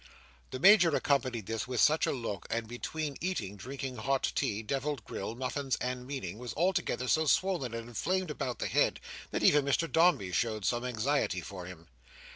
The Major accompanied this with such a look, and, between eating, drinking, hot tea, devilled grill, muffins, and meaning, was altogether so swollen and inflamed about the head, that even Mr Dombey showed some anxiety for him.